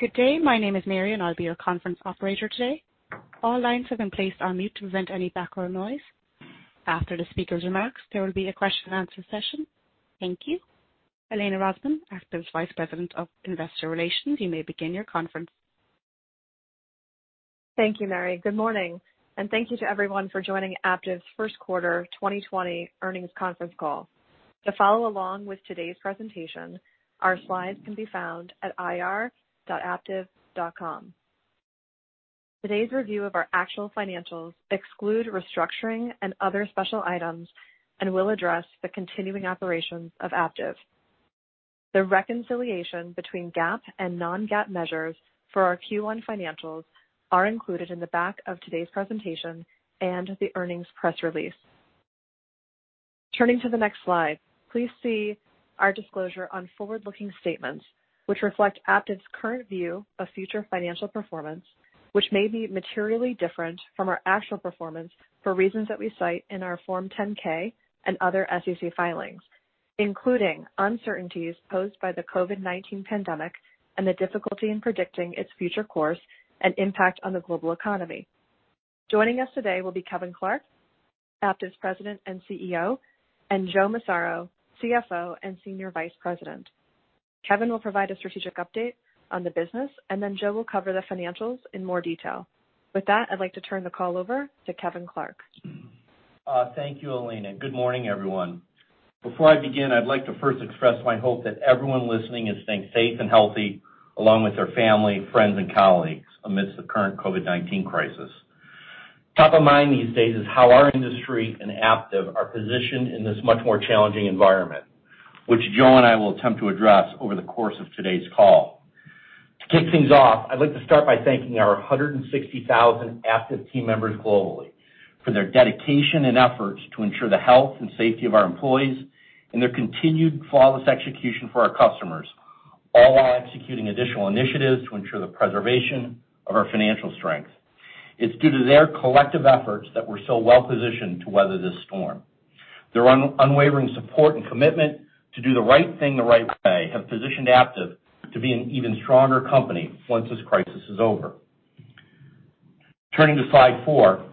Good day. My name is Mary, and I'll be your conference operator today. All lines have been placed on mute to prevent any background noise. After the speaker's remarks, there will be a question-and-answer session. Thank you. Elena Rosman, Aptiv's Vice President of Investor Relations, you may begin your conference. Thank you, Mary. Good morning, and thank you to everyone for joining Aptiv's first quarter 2020 earnings conference call. To follow along with today's presentation, our slides can be found at ir.aptiv.com. Today's review of our actual financials excludes restructuring and other special items and will address the continuing operations of Aptiv. The reconciliation between GAAP and non-GAAP measures for our Q1 financials is included in the back of today's presentation and the earnings press release. Turning to the next slide, please see our disclosure on forward-looking statements, which reflect Aptiv's current view of future financial performance, which may be materially different from our actual performance for reasons that we cite in our Form 10-K and other SEC filings, including uncertainties posed by the COVID-19 pandemic and the difficulty in predicting its future course and impact on the global economy. Joining us today will be Kevin Clark, Aptiv's President and CEO, and Joe Massaro, CFO and Senior Vice President. Kevin will provide a strategic update on the business, and then Joe will cover the financials in more detail. With that, I'd like to turn the call over to Kevin Clark. Thank you, Elena. Good morning, everyone. Before I begin, I'd like to first express my hope that everyone listening is staying safe and healthy along with their family, friends, and colleagues amidst the current COVID-19 crisis. Top of mind these days is how our industry and Aptiv are positioned in this much more challenging environment, which Joe and I will attempt to address over the course of today's call. To kick things off, I'd like to start by thanking our 160,000 Aptiv team members globally for their dedication and efforts to ensure the health and safety of our employees and their continued flawless execution for our customers, all while executing additional initiatives to ensure the preservation of our financial strength. It's due to their collective efforts that we're so well positioned to weather this storm. Their unwavering support and commitment to do the right thing the right way have positioned Aptiv to be an even stronger company once this crisis is over. Turning to slide four,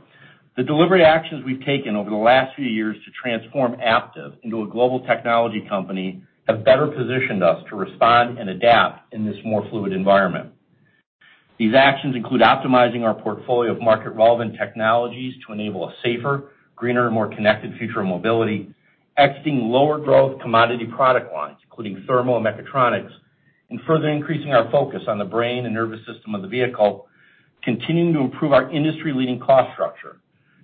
the delivery actions we've taken over the last few years to transform Aptiv into a global technology company have better positioned us to respond and adapt in this more fluid environment. These actions include optimizing our portfolio of market-relevant technologies to enable a safer, greener, and more connected future of mobility, exiting lower-growth commodity product lines, including thermal and mechatronics, and further increasing our focus on the brain and nervous system of the vehicle, continuing to improve our industry-leading cost structure,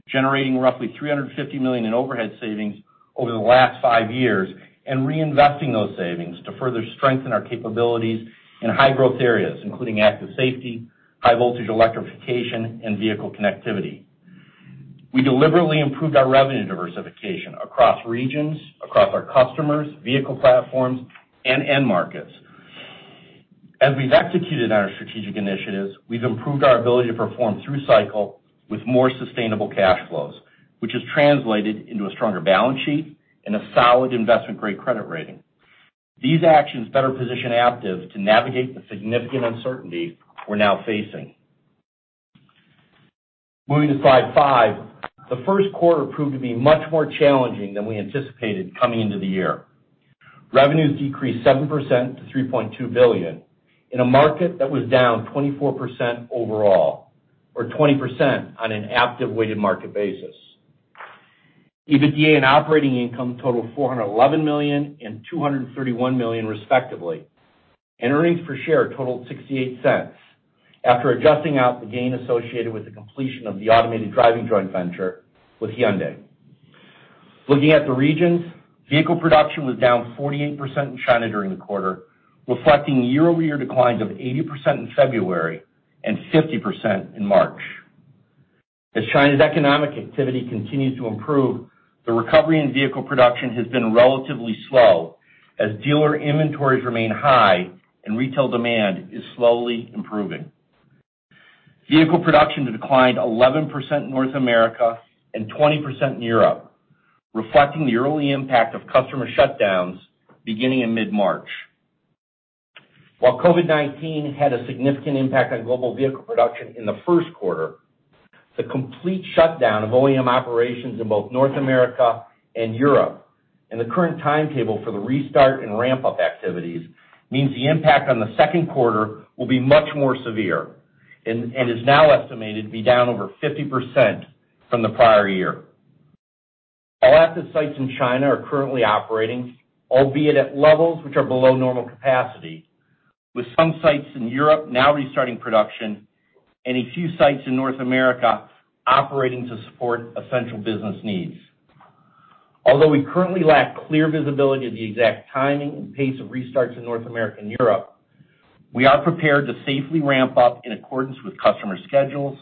generating roughly $350 million in overhead savings over the last five years, and reinvesting those savings to further strengthen our capabilities in high-growth areas, including Active Safety, high-voltage electrification, and vehicle connectivity. We deliberately improved our revenue diversification across regions, across our customers, vehicle platforms, and end markets. As we've executed on our strategic initiatives, we've improved our ability to perform through cycle with more sustainable cash flows, which has translated into a stronger balance sheet and a solid investment-grade credit rating. These actions better position Aptiv to navigate the significant uncertainty we're now facing. Moving to slide five, the first quarter proved to be much more challenging than we anticipated coming into the year. Revenues decreased 7% to $3.2 billion in a market that was down 24% overall, or 20% on an Aptiv-weighted market basis. EBITDA and operating income totaled $411 million and $231 million, respectively, and earnings per share totaled $0.68 after adjusting out the gain associated with the completion of the automated driving joint venture with Hyundai. Looking at the regions, vehicle production was down 48% in China during the quarter, reflecting year-over-year declines of 80% in February and 50% in March. As China's economic activity continues to improve, the recovery in vehicle production has been relatively slow as dealer inventories remain high and retail demand is slowly improving. Vehicle production declined 11% in North America and 20% in Europe, reflecting the early impact of customer shutdowns beginning in mid-March. While COVID-19 had a significant impact on global vehicle production in the first quarter, the complete shutdown of OEM operations in both North America and Europe and the current timetable for the restart and ramp-up activities means the impact on the second quarter will be much more severe and is now estimated to be down over 50% from the prior year. All Aptiv sites in China are currently operating, albeit at levels which are below normal capacity, with some sites in Europe now restarting production and a few sites in North America operating to support essential business needs. Although we currently lack clear visibility of the exact timing and pace of restarts in North America and Europe, we are prepared to safely ramp up in accordance with customer schedules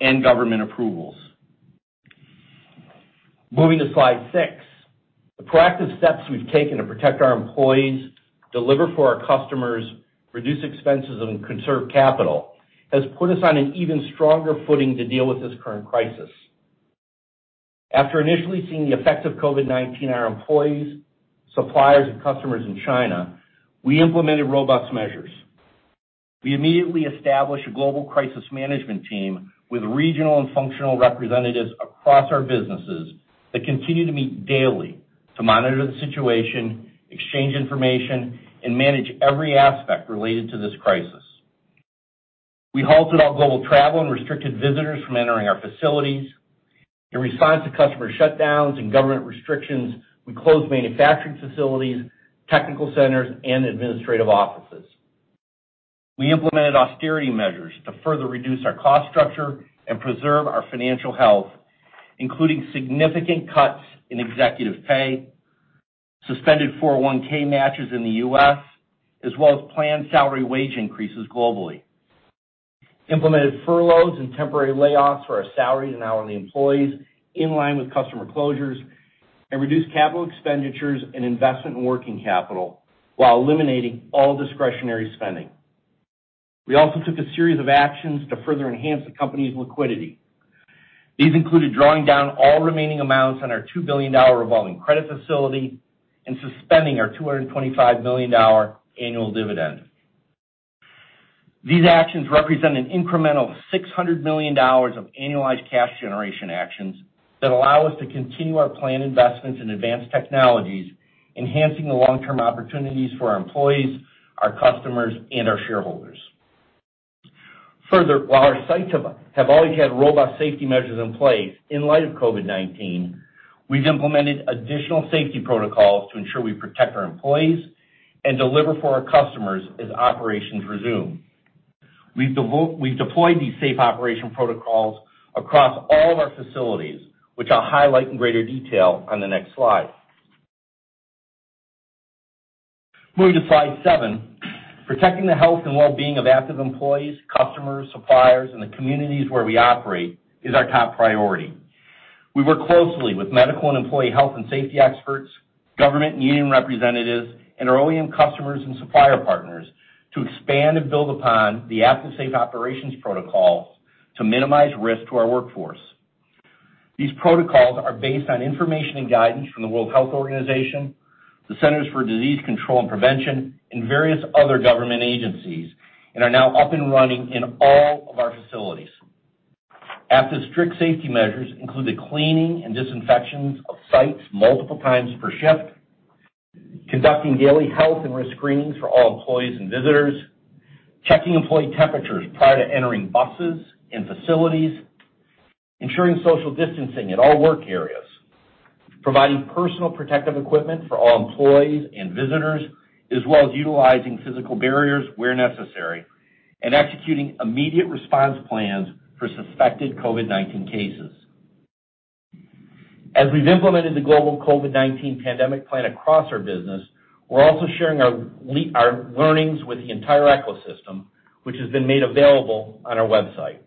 and government approvals. Moving to slide six, the proactive steps we've taken to protect our employees, deliver for our customers, reduce expenses, and conserve capital have put us on an even stronger footing to deal with this current crisis. After initially seeing the effects of COVID-19 on our employees, suppliers, and customers in China, we implemented robust measures. We immediately established a global crisis management team with regional and functional representatives across our businesses that continue to meet daily to monitor the situation, exchange information, and manage every aspect related to this crisis. We halted all global travel and restricted visitors from entering our facilities. In response to customer shutdowns and government restrictions, we closed manufacturing facilities, technical centers, and administrative offices. We implemented austerity measures to further reduce our cost structure and preserve our financial health, including significant cuts in executive pay, suspended 401(k) matches in the U.S., as well as planned salary wage increases globally. Implemented furloughs and temporary layoffs for our salaries and hourly employees in line with customer closures, and reduced capital expenditures and investment in working capital while eliminating all discretionary spending. We also took a series of actions to further enhance the company's liquidity. These included drawing down all remaining amounts on our $2 billion revolving credit facility and suspending our $225 million annual dividend. These actions represent an incremental $600 million of annualized cash generation actions that allow us to continue our planned investments in advanced technologies, enhancing the long-term opportunities for our employees, our customers, and our shareholders. Further, while our sites have always had robust safety measures in place in light of COVID-19, we've implemented additional safety protocols to ensure we protect our employees and deliver for our customers as operations resume. We've deployed these safe operation protocols across all of our facilities, which I'll highlight in greater detail on the next slide. Moving to slide seven, protecting the health and well-being of Aptiv employees, customers, suppliers, and the communities where we operate is our top priority. We work closely with medical and employee health and safety experts, government and union representatives, and our OEM customers and supplier partners to expand and build upon the Aptiv Safe Operations Protocol to minimize risk to our workforce. These protocols are based on information and guidance from the World Health Organization, the Centers for Disease Control and Prevention, and various other government agencies, and are now up and running in all of our facilities. Aptiv's strict safety measures include the cleaning and disinfection of sites multiple times per shift, conducting daily health and risk screenings for all employees and visitors, checking employee temperatures prior to entering buses and facilities, ensuring social distancing at all work areas, providing personal protective equipment for all employees and visitors, as well as utilizing physical barriers where necessary, and executing immediate response plans for suspected COVID-19 cases. As we've implemented the global COVID-19 pandemic plan across our business, we're also sharing our learnings with the entire ecosystem, which has been made available on our website.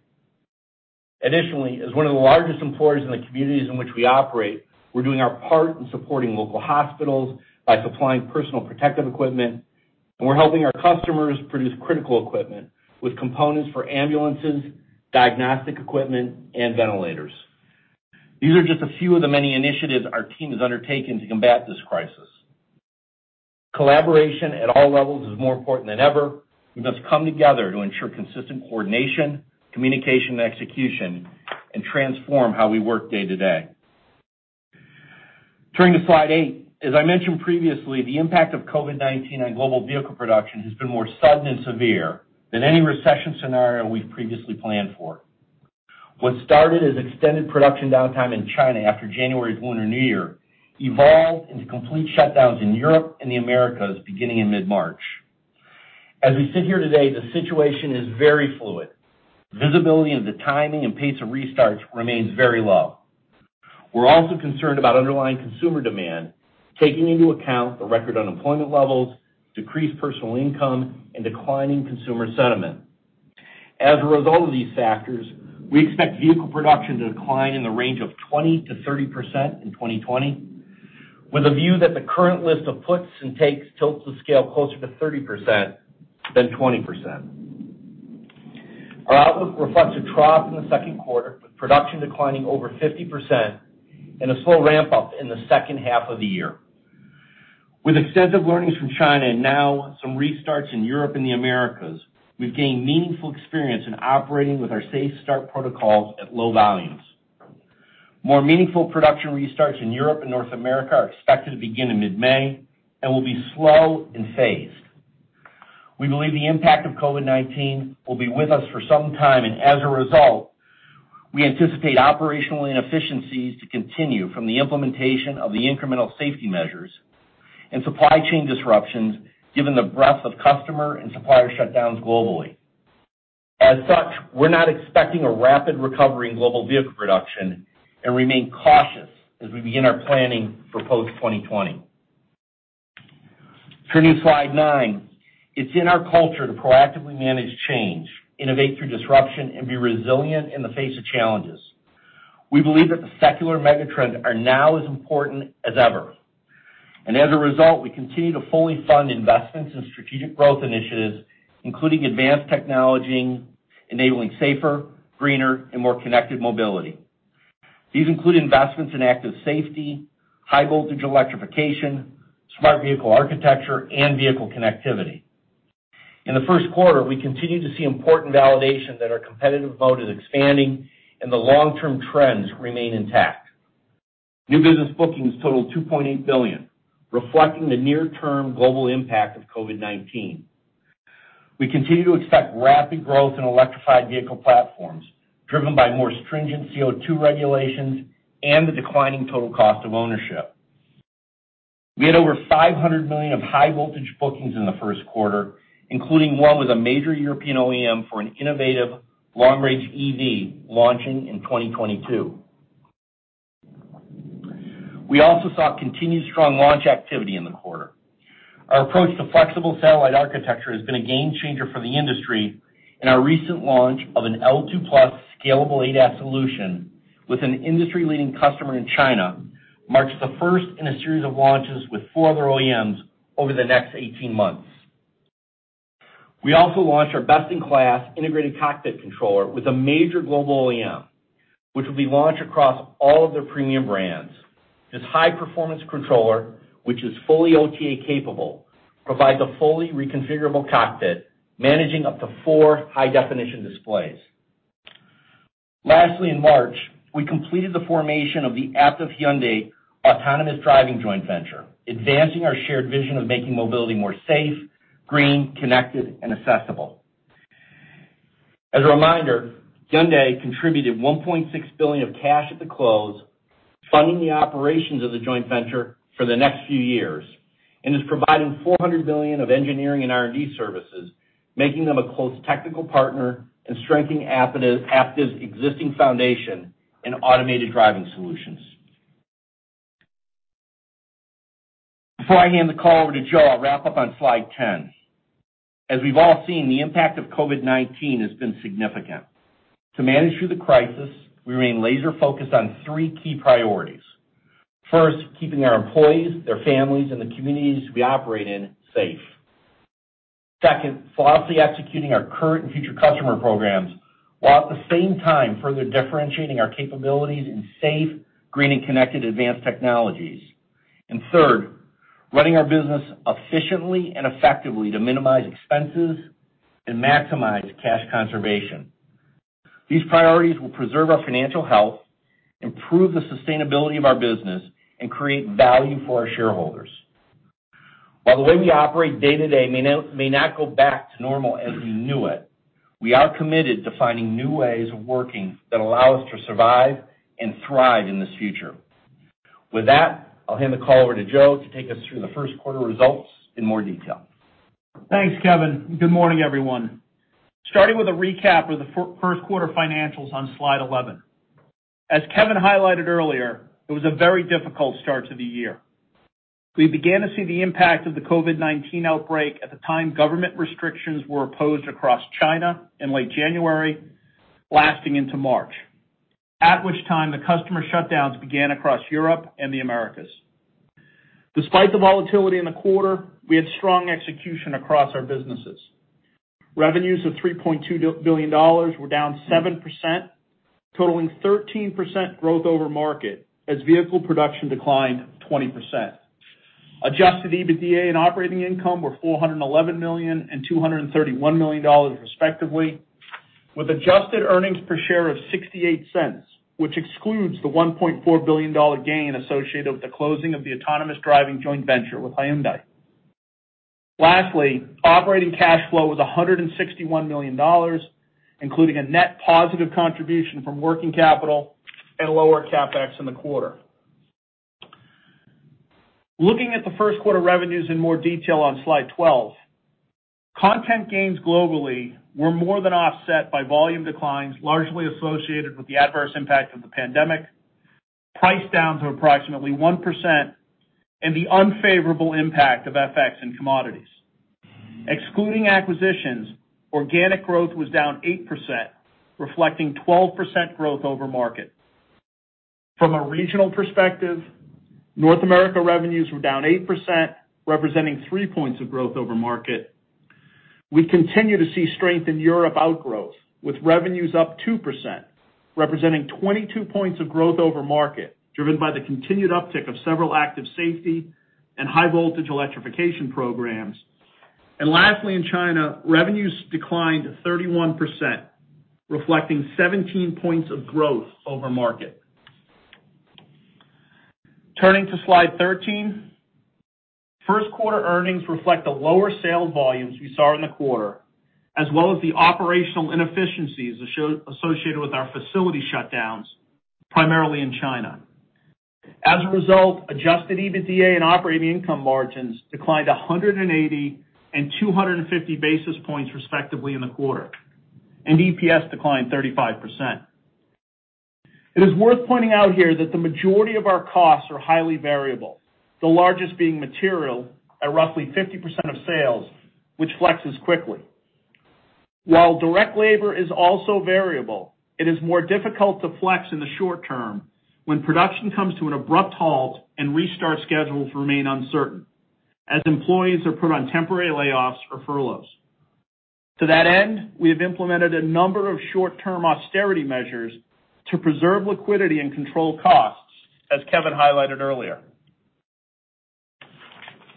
Additionally, as one of the largest employers in the communities in which we operate, we're doing our part in supporting local hospitals by supplying personal protective equipment, and we're helping our customers produce critical equipment with components for ambulances, diagnostic equipment, and ventilators. These are just a few of the many initiatives our team has undertaken to combat this crisis. Collaboration at all levels is more important than ever. We must come together to ensure consistent coordination, communication, and execution, and transform how we work day to day. Turning to slide eight, as I mentioned previously, the impact of COVID-19 on global vehicle production has been more sudden and severe than any recession scenario we've previously planned for. What started as extended production downtime in China after January's Lunar New Year evolved into complete shutdowns in Europe and the Americas beginning in mid-March. As we sit here today, the situation is very fluid. Visibility of the timing and pace of restarts remains very low. We're also concerned about underlying consumer demand, taking into account the record unemployment levels, decreased personal income, and declining consumer sentiment. As a result of these factors, we expect vehicle production to decline in the range of 20%-30% in 2020, with a view that the current list of puts and takes tilts the scale closer to 30% than 20%. Our outlook reflects a trough in the second quarter, with production declining over 50% and a slow ramp-up in the second half of the year. With extensive learnings from China and now some restarts in Europe and the Americas, we've gained meaningful experience in operating with our safe start protocols at low volumes. More meaningful production restarts in Europe and North America are expected to begin in mid-May and will be slow and phased. We believe the impact of COVID-19 will be with us for some time, and as a result, we anticipate operational inefficiencies to continue from the implementation of the incremental safety measures and supply chain disruptions given the breadth of customer and supplier shutdowns globally. As such, we're not expecting a rapid recovery in global vehicle production and remain cautious as we begin our planning for post-2020. Turning to slide nine, it's in our culture to proactively manage change, innovate through disruption, and be resilient in the face of challenges. We believe that the secular megatrend are now as important as ever. As a result, we continue to fully fund investments in strategic growth initiatives, including advanced technology, enabling safer, greener, and more connected mobility. These include investments in Active Safety, high-voltage electrification, smart vehicle architecture, and vehicle connectivity. In the first quarter, we continue to see important validation that our competitive vote is expanding and the long-term trends remain intact. New business bookings totaled $2.8 billion, reflecting the near-term global impact of COVID-19. We continue to expect rapid growth in electrified vehicle platforms driven by more stringent CO2 regulations and the declining total cost of ownership. We had over $500 million of high-voltage bookings in the first quarter, including one with a major European OEM for an innovative long-range EV launching in 2022. We also saw continued strong launch activity in the quarter. Our approach to flexible satellite architecture has been a game changer for the industry, and our recent launch of an L2 Plus scalable ADAS solution with an industry-leading customer in China marks the first in a series of launches with four other OEMs over the next 18 months. We also launched our best-in-class integrated cockpit controller with a major global OEM, which will be launched across all of their premium brands. This high-performance controller, which is fully OTA-capable, provides a fully reconfigurable cockpit managing up to four high-definition displays. Lastly, in March, we completed the formation of the Aptiv Hyundai Autonomous Driving Joint Venture, advancing our shared vision of making mobility more safe, green, connected, and accessible. As a reminder, Hyundai contributed $1.6 billion of cash at the close, funding the operations of the joint venture for the next few years, and is providing $400 million of engineering and R&D services, making them a close technical partner and strengthening Aptiv's existing foundation in automated driving solutions. Before I hand the call over to Joe, I'll wrap up on slide 10. As we've all seen, the impact of COVID-19 has been significant. To manage through the crisis, we remain laser-focused on three key priorities. First, keeping our employees, their families, and the communities we operate in safe. Second, faithfully executing our current and future customer programs while at the same time further differentiating our capabilities in safe, green, and connected advanced technologies. And third, running our business efficiently and effectively to minimize expenses and maximize cash conservation. These priorities will preserve our financial health, improve the sustainability of our business, and create value for our shareholders. While the way we operate day to day may not go back to normal as we knew it, we are committed to finding new ways of working that allow us to survive and thrive in this future. With that, I'll hand the call over to Joe to take us through the first quarter results in more detail. Thanks, Kevin. Good morning, everyone. Starting with a recap of the first quarter financials on slide 11. As Kevin highlighted earlier, it was a very difficult start to the year. We began to see the impact of the COVID-19 outbreak at the time government restrictions were imposed across China in late January, lasting into March, at which time the customer shutdowns began across Europe and the Americas. Despite the volatility in the quarter, we had strong execution across our businesses. Revenues of $3.2 billion were down 7%, totaling 13% growth over market as vehicle production declined 20%. Adjusted EBITDA and operating income were $411 million and $231 million, respectively, with adjusted earnings per share of $0.68, which excludes the $1.4 billion gain associated with the closing of the autonomous driving joint venture with Hyundai. Lastly, operating cash flow was $161 million, including a net positive contribution from working capital and lower CapEx in the quarter. Looking at the first quarter revenues in more detail on slide 12, content gains globally were more than offset by volume declines largely associated with the adverse impact of the pandemic, price down to approximately 1%, and the unfavorable impact of FX and commodities. Excluding acquisitions, organic growth was down 8%, reflecting 12% growth over market. From a regional perspective, North America revenues were down 8%, representing 3 points of growth over market. We continue to see strength in Europe outgrowth, with revenues up 2%, representing 22 points of growth over market, driven by the continued uptick of several Active Safety and high-voltage electrification programs. And lastly, in China, revenues declined 31%, reflecting 17 points of growth over market. Turning to slide 13, first quarter earnings reflect the lower sales volumes we saw in the quarter, as well as the operational inefficiencies associated with our facility shutdowns, primarily in China. As a result, adjusted EBITDA and operating income margins declined 180 and 250 basis points, respectively, in the quarter, and EPS declined 35%. It is worth pointing out here that the majority of our costs are highly variable, the largest being material at roughly 50% of sales, which flexes quickly. While direct labor is also variable, it is more difficult to flex in the short term when production comes to an abrupt halt and restart schedules remain uncertain, as employees are put on temporary layoffs or furloughs. To that end, we have implemented a number of short-term austerity measures to preserve liquidity and control costs, as Kevin highlighted earlier.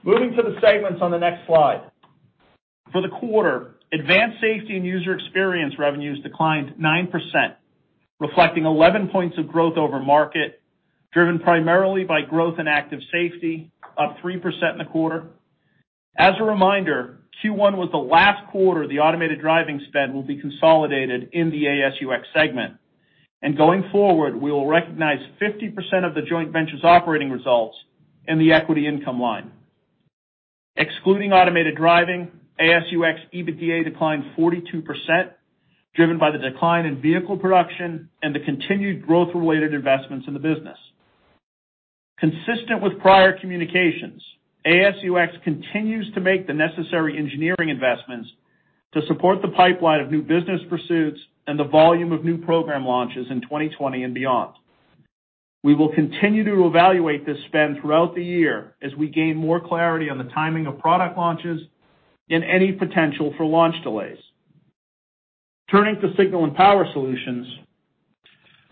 Moving to the segments on the next slide. For the quarter, Advanced Safety and User Experience revenues declined 9%, reflecting 11 points of growth over market, driven primarily by growth in Active Safety, up 3% in the quarter. As a reminder, Q1 was the last quarter the automated driving spend will be consolidated in the ASUX segment. And going forward, we will recognize 50% of the joint ventures operating results in the equity income line. Excluding automated driving, ASUX EBITDA declined 42%, driven by the decline in vehicle production and the continued growth-related investments in the business. Consistent with prior communications, ASUX continues to make the necessary engineering investments to support the pipeline of new business pursuits and the volume of new program launches in 2020 and beyond. We will continue to evaluate this spend throughout the year as we gain more clarity on the timing of product launches and any potential for launch delays. Turning to Signal and Power Solutions,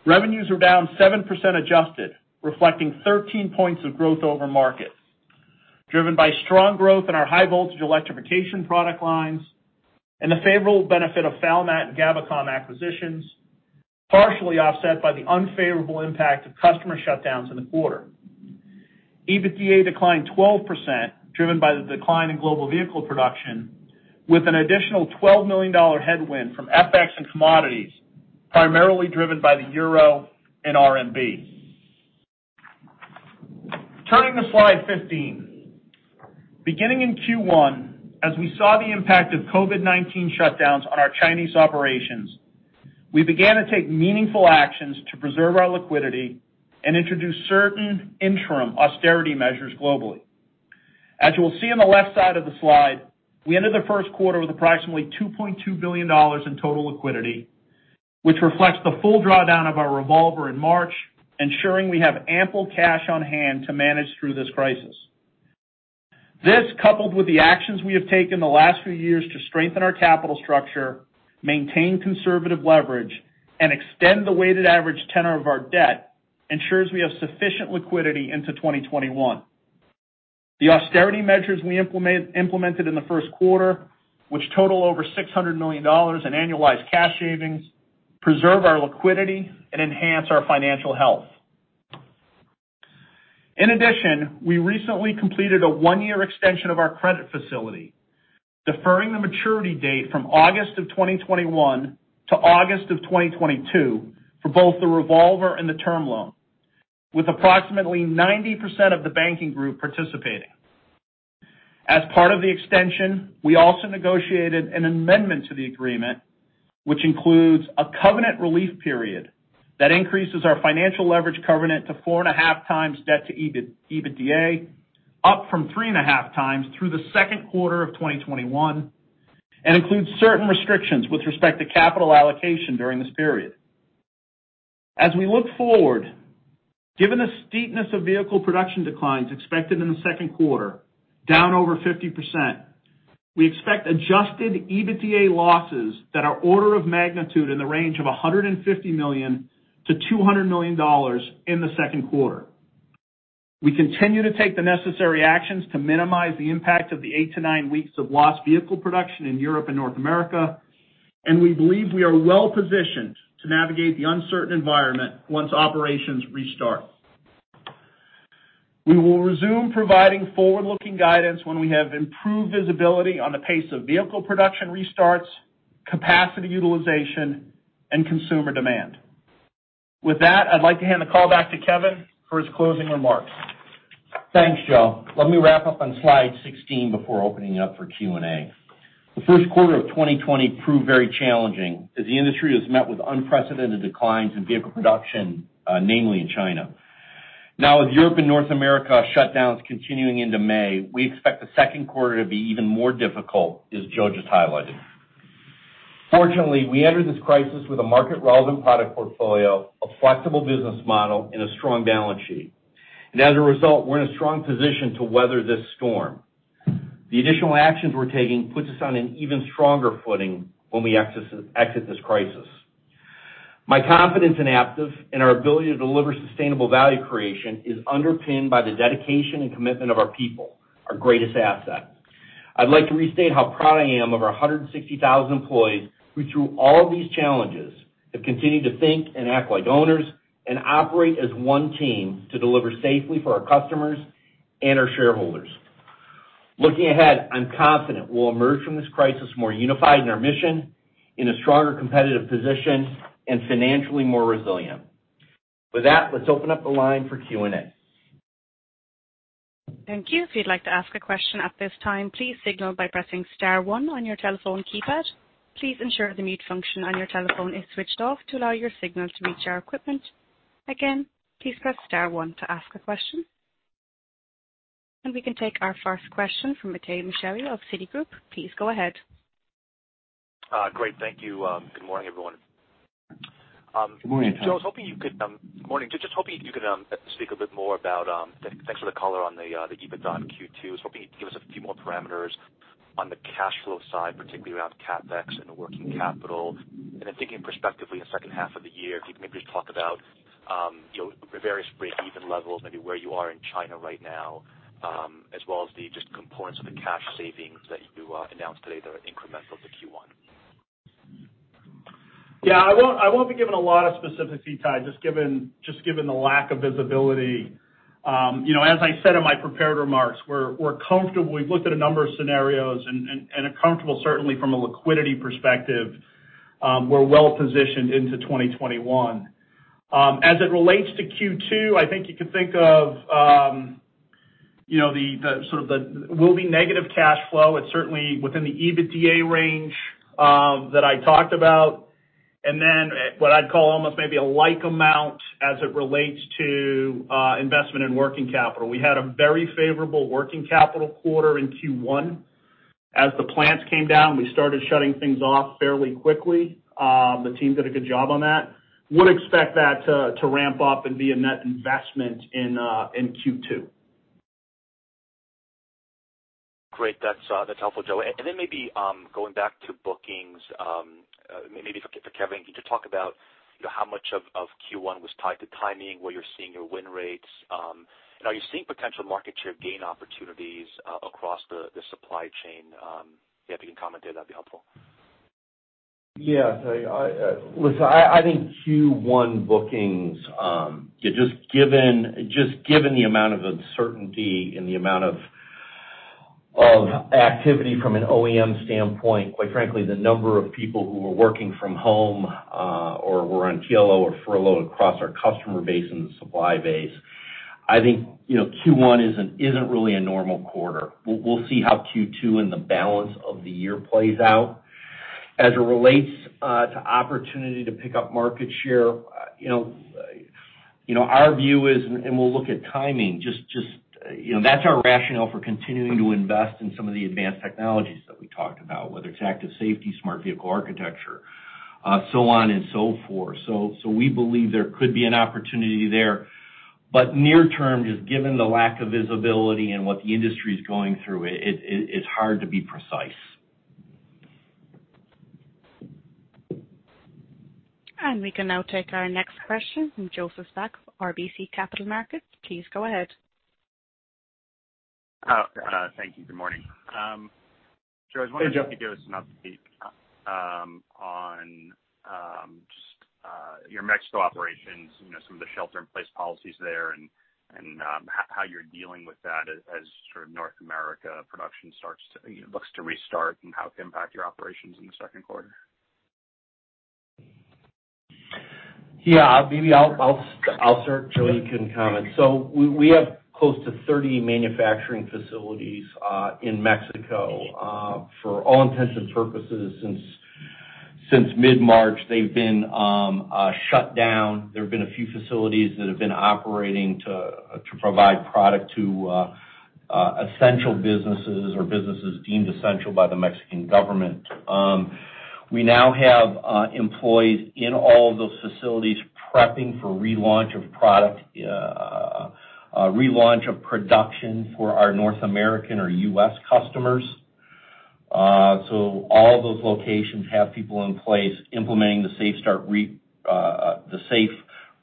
revenues are down 7% adjusted, reflecting 13 points of growth over market, driven by strong growth in our high-voltage electrification product lines and the favorable benefit of Falmat and gabocom acquisitions, partially offset by the unfavorable impact of customer shutdowns in the quarter. EBITDA declined 12%, driven by the decline in global vehicle production, with an additional $12 million headwind from FX and commodities, primarily driven by the euro and RMB. Turning to slide 15, beginning in Q1, as we saw the impact of COVID-19 shutdowns on our Chinese operations, we began to take meaningful actions to preserve our liquidity and introduce certain interim austerity measures globally. As you will see on the left side of the slide, we entered the first quarter with approximately $2.2 billion in total liquidity, which reflects the full drawdown of our revolver in March, ensuring we have ample cash on hand to manage through this crisis. This, coupled with the actions we have taken the last few years to strengthen our capital structure, maintain conservative leverage, and extend the weighted average tenor of our debt, ensures we have sufficient liquidity into 2021. The austerity measures we implemented in the first quarter, which total over $600 million in annualized cash savings, preserve our liquidity and enhance our financial health. In addition, we recently completed a one-year extension of our credit facility, deferring the maturity date from August of 2021 to August of 2022 for both the revolver and the term loan, with approximately 90% of the banking group participating. As part of the extension, we also negotiated an amendment to the agreement, which includes a covenant relief period that increases our financial leverage covenant to four and a half times debt to EBITDA, up from three and a half times through the second quarter of 2021, and includes certain restrictions with respect to capital allocation during this period. As we look forward, given the steepness of vehicle production declines expected in the second quarter, down over 50%, we expect adjusted EBITDA losses that are order of magnitude in the range of $150 million-$200 million in the second quarter. We continue to take the necessary actions to minimize the impact of the eight to nine weeks of lost vehicle production in Europe and North America, and we believe we are well positioned to navigate the uncertain environment once operations restart. We will resume providing forward-looking guidance when we have improved visibility on the pace of vehicle production restarts, capacity utilization, and consumer demand. With that, I'd like to hand the call back to Kevin for his closing remarks. Thanks, Joe. Let me wrap up on slide 16 before opening up for Q&A. The first quarter of 2020 proved very challenging as the industry has met with unprecedented declines in vehicle production, namely in China. Now, with Europe and North America shutdowns continuing into May, we expect the second quarter to be even more difficult, as Joe just highlighted. Fortunately, we entered this crisis with a market-relevant product portfolio, a flexible business model, and a strong balance sheet, and as a result, we're in a strong position to weather this storm. The additional actions we're taking puts us on an even stronger footing when we exit this crisis. My confidence in Aptiv and our ability to deliver sustainable value creation is underpinned by the dedication and commitment of our people, our greatest asset. I'd like to restate how proud I am of our 160,000 employees who, through all of these challenges, have continued to think and act like owners and operate as one team to deliver safely for our customers and our shareholders. Looking ahead, I'm confident we'll emerge from this crisis more unified in our mission, in a stronger competitive position, and financially more resilient. With that, let's open up the line for Q&A. Thank you. If you'd like to ask a question at this time, please signal by pressing star one on your telephone keypad. Please ensure the mute function on your telephone is switched off to allow your signal to reach our equipment. Again, please press star one to ask a question. And we can take our first question from Itay Michaeli of Citigroup. Please go ahead. Great. Thank you. Good morning, everyone. Joe, I was hoping you could Good morning. Just hoping you could speak a bit more about, thanks for the color on the EBITDA on Q2. I was hoping you could give us a few more parameters on the cash flow side, particularly around CapEx and working capital. And then thinking prospectively in the second half of the year, if you could maybe just talk about various break-even levels, maybe where you are in China right now, as well as the just components of the cash savings that you announced today that are incremental to Q1. Yeah. I won't be giving a lot of specific feedback, just given the lack of visibility. As I said in my prepared remarks, we're comfortable. We've looked at a number of scenarios and are comfortable, certainly, from a liquidity perspective. We're well positioned into 2021. As it relates to Q2, I think you could think of the sort of—will be negative cash flow. It's certainly within the EBITDA range that I talked about. And then what I'd call almost maybe a like amount as it relates to investment in working capital. We had a very favorable working capital quarter in Q1. As the plants came down, we started shutting things off fairly quickly. The team did a good job on that. Would expect that to ramp up and be a net investment in Q2. Great. That's helpful, Joe. And then maybe going back to bookings, maybe for Kevin, could you talk about how much of Q1 was tied to timing, where you're seeing your win rates? And are you seeing potential market share gain opportunities across the supply chain? If you can comment there, that'd be helpful. Yeah. Listen, I think Q1 bookings, just given the amount of uncertainty and the amount of activity from an OEM standpoint, quite frankly, the number of people who were working from home or were on TLO or furlough across our customer base and the supply base, I think Q1 isn't really a normal quarter. We'll see how Q2 and the balance of the year plays out. As it relates to opportunity to pick up market share, our view is, and we'll look at timing, just that's our rationale for continuing to invest in some of the advanced technologies that we talked about, whether it's Active Safety, smart vehicle architecture, so on and so forth. So we believe there could be an opportunity there. But near term, just given the lack of visibility and what the industry is going through, it's hard to be precise. And we can now take our next question from Joseph Spak of RBC Capital Markets. Please go ahead. Thank you. Good morning. Joe, I just wanted to give us an update on just your Mexico operations, some of the shelter-in-place policies there, and how you're dealing with that as sort of North America production starts to look to restart and how it can impact your operations in the second quarter. Yeah. Maybe I'll start. Joe, you can comment. So we have close to 30 manufacturing facilities in Mexico. For all intents and purposes, since mid-March, they've been shut down. There have been a few facilities that have been operating to provide product to essential businesses or businesses deemed essential by the Mexican government. We now have employees in all of those facilities prepping for relaunch of product, relaunch of production for our North American or U.S. customers. So all those locations have people in place implementing the safe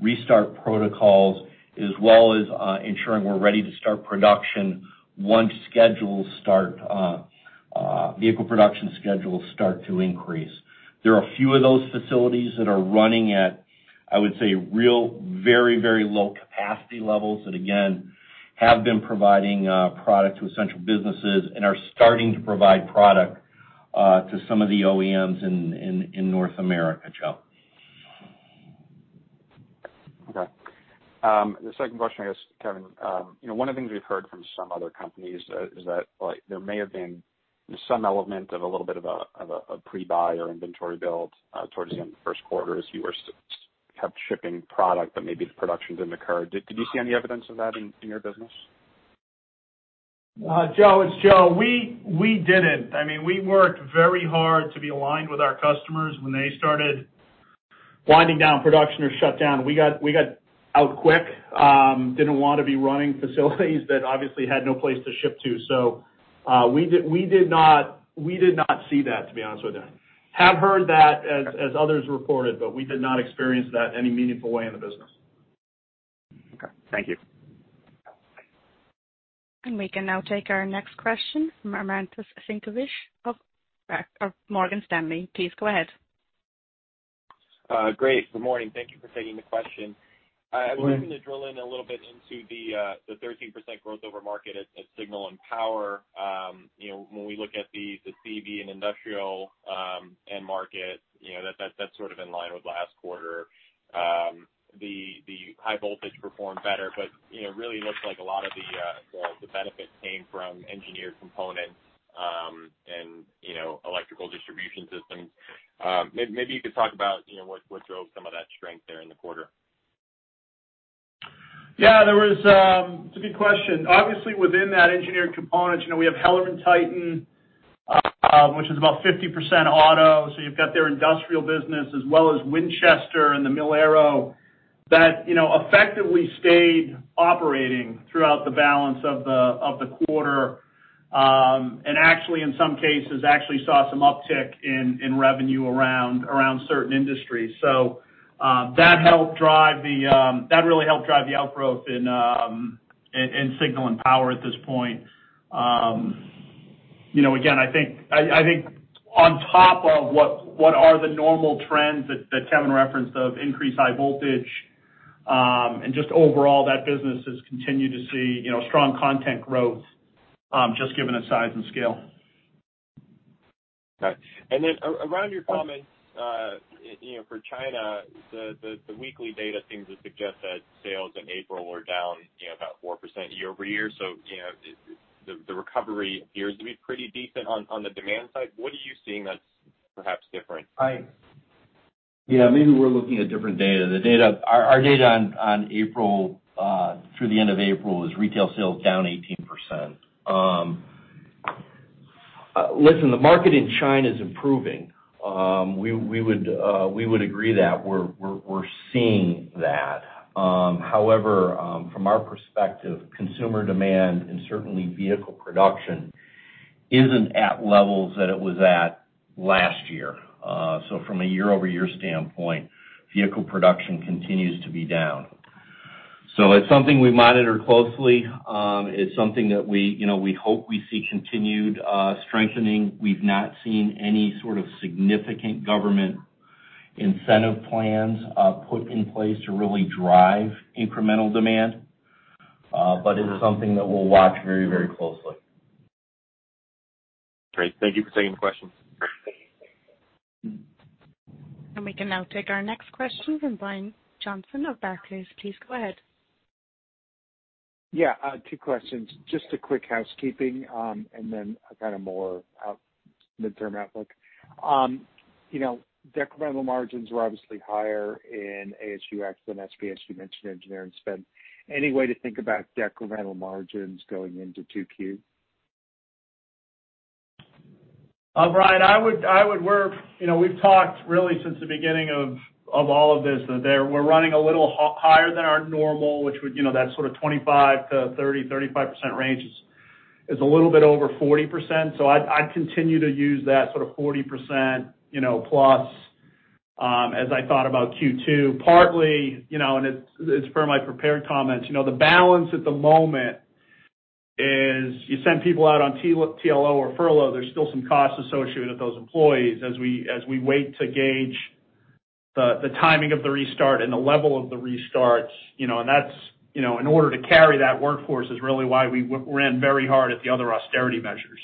restart protocols, as well as ensuring we're ready to start production once vehicle production schedules start to increase. There are a few of those facilities that are running at, I would say, really very, very low capacity levels that, again, have been providing product to essential businesses and are starting to provide product to some of the OEMs in North America, Joe. Okay. The second question, I guess, Kevin, one of the things we've heard from some other companies is that there may have been some element of a little bit of a pre-buy or inventory build towards the end of the first quarter as you were kept shipping product, but maybe the production didn't occur. Did you see any evidence of that in your business? Joe, it's Joe. We didn't. I mean, we worked very hard to be aligned with our customers when they started winding down production or shut down. We got out quick, didn't want to be running facilities that obviously had no place to ship to. So we did not see that, to be honest with you. Have heard that, as others reported, but we did not experience that in any meaningful way in the business. Okay. Thank you. And we can now take our next question from Armintas Sinkevicius of Morgan Stanley. Please go ahead. Great. Good morning. Thank you for taking the question. I was hoping to drill in a little bit into the 13% growth over market at Signal and Power. When we look at the CV and industrial end market, that's sort of in line with last quarter. The high voltage performed better, but really looks like a lot of the benefit came from engineered components and electrical distribution systems. Maybe you could talk about what drove some of that strength there in the quarter. Yeah. It's a good question. Obviously, within that engineered component, we have HellermannTyton, which is about 50% auto. So you've got their industrial business as well as Winchester and the Falmat that effectively stayed operating throughout the balance of the quarter and actually, in some cases, actually saw some uptick in revenue around certain industries. So that really helped drive the outgrowth in Signal and Power at this point. Again, I think on top of what are the normal trends that Kevin referenced of increased high voltage, and just overall, that business has continued to see strong content growth, just given the size and scale. Okay. Then around your comments for China, the weekly data seems to suggest that sales in April were down about 4% year-over-year. So the recovery appears to be pretty decent on the demand side. What are you seeing that's perhaps different? Yeah. Maybe we're looking at different data. Our data on April, through the end of April, is retail sales down 18%. Listen, the market in China is improving. We would agree that we're seeing that. However, from our perspective, consumer demand and certainly vehicle production isn't at levels that it was at last year. So from a year-over-year standpoint, vehicle production continues to be down. So it's something we monitor closely. It's something that we hope we see continued strengthening. We've not seen any sort of significant government incentive plans put in place to really drive incremental demand, but it's something that we'll watch very, very closely. Great. Thank you for taking the question. We can now take our next question. Brian Johnson of Barclays, please go ahead. Yeah. Two questions. Just a quick housekeeping and then a kind of more midterm outlook. Decremental margins were obviously higher in ASUX than SPS, you mentioned, engineering spend. Any way to think about decremental margins going into Q2? Brian, as we've talked really since the beginning of all of this that we're running a little higher than our normal, which is that sort of 25%-30% 35% range, is a little bit over 40%. So I'd continue to use that sort of 40% plus as I thought about Q2, partly. It's for my prepared comments. The balance at the moment is you send people out on TLO or furlough. There's still some costs associated with those employees as we wait to gauge the timing of the restart and the level of the restarts, and that's in order to carry that workforce is really why we ran very hard at the other austerity measures.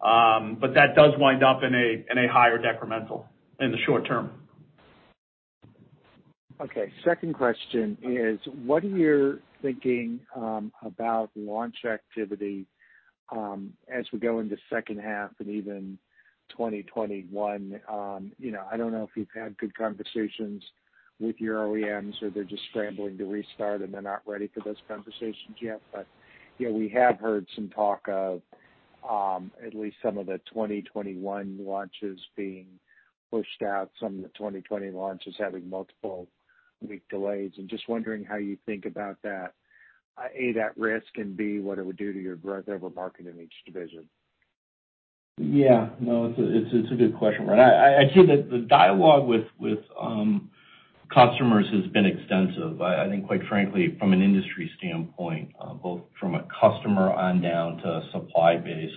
But that does wind up in a higher decremental in the short term. Okay. Second question is, what are you thinking about launch activity as we go into second half and even 2021? I don't know if you've had good conversations with your OEMs or they're just scrambling to restart and they're not ready for those conversations yet. But we have heard some talk of at least some of the 2021 launches being pushed out, some of the 2020 launches having multiple week delays. And just wondering how you think about that, A, that risk, and B, what it would do to your growth over market in each division. Yeah. No, it's a good question. I'd say that the dialogue with customers has been extensive. I think, quite frankly, from an industry standpoint, both from a customer on down to a supply base,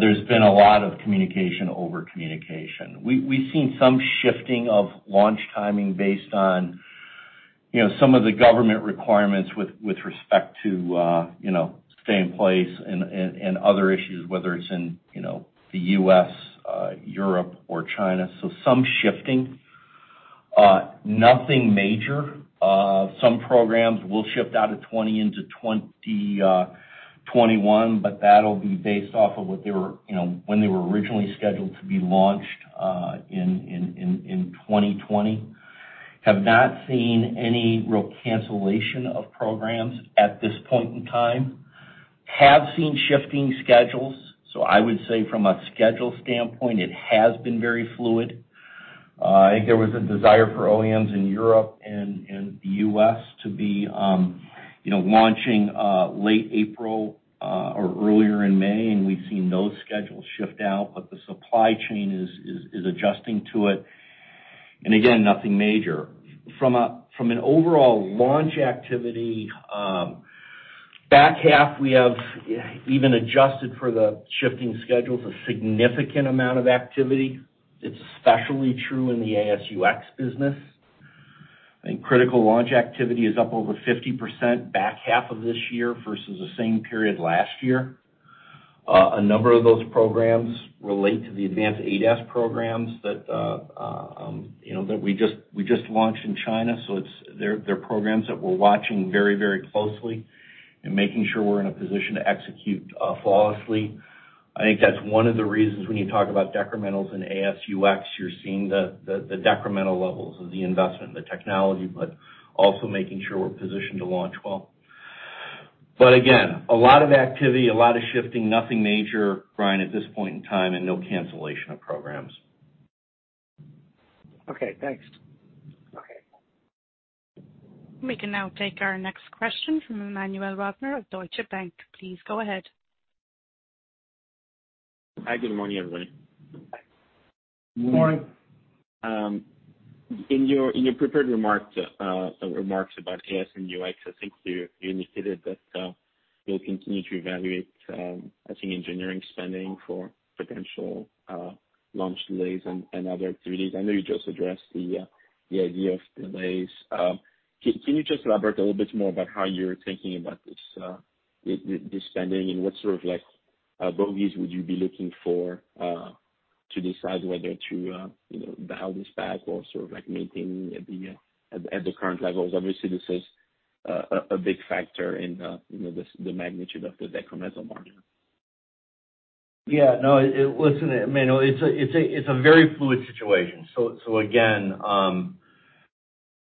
there's been a lot of communication over communication. We've seen some shifting of launch timing based on some of the government requirements with respect to stay in place and other issues, whether it's in the U.S., Europe, or China. So some shifting. Nothing major. Some programs will shift out of 2020 into 2021, but that'll be based off of when they were originally scheduled to be launched in 2020. Have not seen any real cancellation of programs at this point in time. Have seen shifting schedules. So I would say from a schedule standpoint, it has been very fluid. I think there was a desire for OEMs in Europe and the U.S. to be launching late April or earlier in May, and we've seen those schedules shift out, but the supply chain is adjusting to it. And again, nothing major. From an overall launch activity, back half, we have even adjusted for the shifting schedules, a significant amount of activity. It's especially true in the ASUX business. I think critical launch activity is up over 50% back half of this year versus the same period last year. A number of those programs relate to the advanced ADAS programs that we just launched in China. So they're programs that we're watching very, very closely and making sure we're in a position to execute flawlessly. I think that's one of the reasons when you talk about decrementals in ASUX, you're seeing the decremental levels of the investment in the technology, but also making sure we're positioned to launch well, but again, a lot of activity, a lot of shifting, nothing major, Brian, at this point in time, and no cancellation of programs. Okay. Thanks. Okay. We can now take our next question from Emmanuel Rosner of Deutsche Bank. Please go ahead. Hi. Good morning, everybody. Good morning. In your prepared remarks about ASUX, I think you indicated that you'll continue to evaluate, I think, engineering spending for potential launch delays and other activities. I know you just addressed the idea of delays. Can you just elaborate a little bit more about how you're thinking about this spending and what sort of bogeys would you be looking for to decide whether to dial this back or sort of maintain at the current levels? Obviously, this is a big factor in the magnitude of the decremental margin. Yeah. No. Listen, I mean, it's a very fluid situation. So again,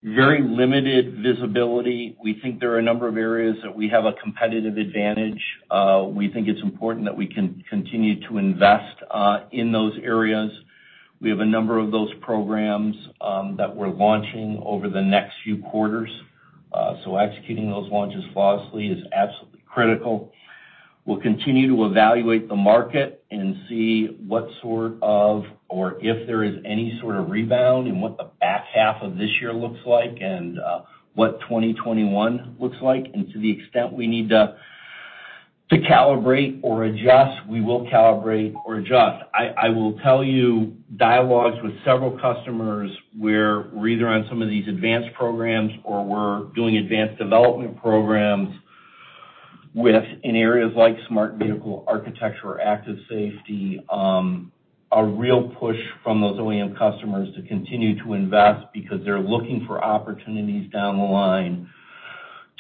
very limited visibility. We think there are a number of areas that we have a competitive advantage. We think it's important that we can continue to invest in those areas. We have a number of those programs that we're launching over the next few quarters. So executing those launches flawlessly is absolutely critical. We'll continue to evaluate the market and see what sort of, or if there is any sort of rebound, and what the back half of this year looks like and what 2021 looks like. And to the extent we need to calibrate or adjust, we will calibrate or adjust. I will tell you dialogues with several customers where we're either on some of these advanced programs or we're doing advanced development programs within areas like Smart Vehicle Architecture or Active Safety, a real push from those OEM customers to continue to invest because they're looking for opportunities down the line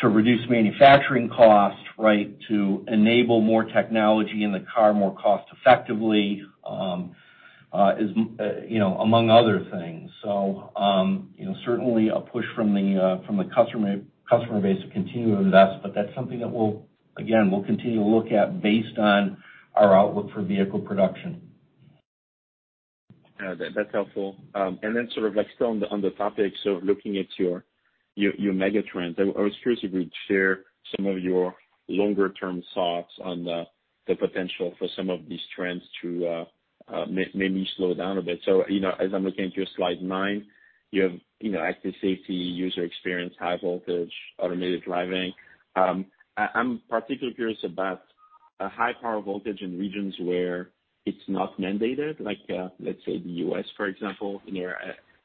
to reduce manufacturing costs, right, to enable more technology in the car more cost-effectively, among other things. So certainly a push from the customer base to continue to invest, but that's something that, again, we'll continue to look at based on our outlook for vehicle production. That's helpful. And then sort of still on the topic of looking at your megatrends, I was curious if you would share some of your longer-term thoughts on the potential for some of these trends to maybe slow down a bit. So as I'm looking at your slide nine, you have Active Safety, user experience, high voltage, automated driving. I'm particularly curious about high power voltage in regions where it's not mandated, like let's say the U.S., for example.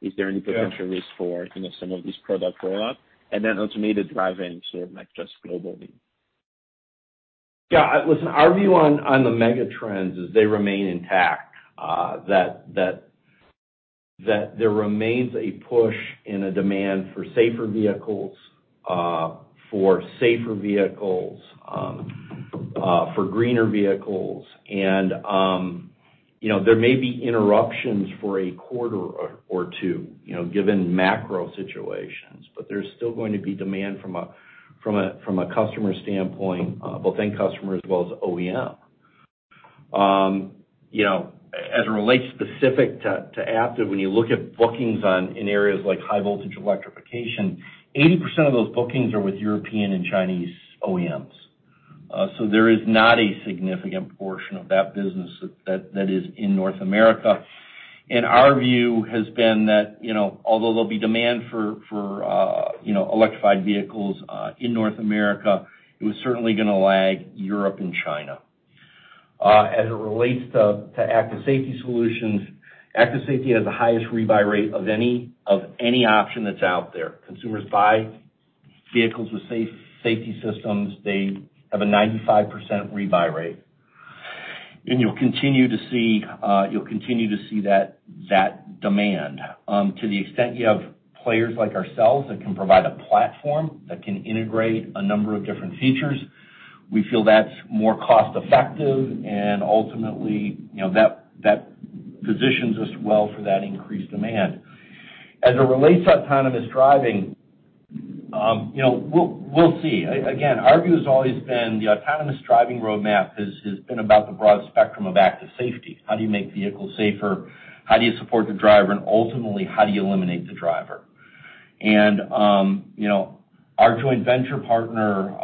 Is there any potential risk for some of these product rollouts? And then automated driving, sort of just globally. Yeah. Listen, our view on the megatrends is they remain intact, that there remains a push and a demand for safer vehicles, for safer vehicles, for greener vehicles. There may be interruptions for a quarter or two given macro situations, but there's still going to be demand from a customer standpoint, both end customers as well as OEM. As it relates specifically to Aptiv, when you look at bookings in areas like high voltage electrification, 80% of those bookings are with European and Chinese OEMs. So there is not a significant portion of that business that is in North America. In our view has been that although there'll be demand for electrified vehicles in North America, it was certainly going to lag Europe and China. As it relates to Active Safety solutions, Active Safety has the highest rebuy rate of any option that's out there. Consumers buy vehicles with safety systems. They have a 95% rebuy rate. You'll continue to see that demand. To the extent you have players like ourselves that can provide a platform that can integrate a number of different features, we feel that's more cost-effective. And ultimately, that positions us well for that increased demand. As it relates to autonomous driving, we'll see. Again, our view has always been the autonomous driving roadmap has been about the broad spectrum of Active Safety. How do you make vehicles safer? How do you support the driver? And ultimately, how do you eliminate the driver? And our joint venture partner,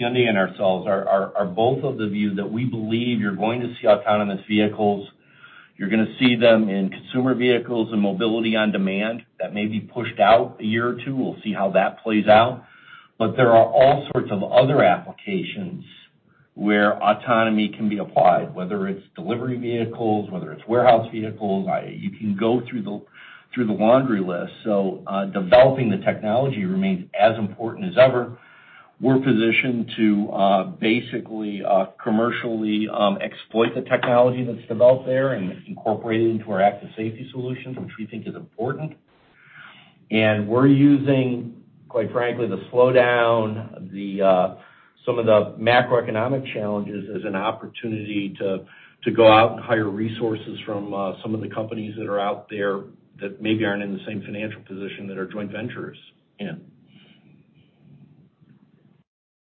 Hyundai and ourselves, are both of the view that we believe you're going to see autonomous vehicles. You're going to see them in consumer vehicles and mobility on demand. That may be pushed out a year or two. We'll see how that plays out. But there are all sorts of other applications where autonomy can be applied, whether it's delivery vehicles, whether it's warehouse vehicles. You can go through the laundry list. So developing the technology remains as important as ever. We're positioned to basically commercially exploit the technology that's developed there and incorporate it into our Active Safety solutions, which we think is important. And we're using, quite frankly, the slowdown, some of the macroeconomic challenges as an opportunity to go out and hire resources from some of the companies that are out there that maybe aren't in the same financial position that our joint ventures in.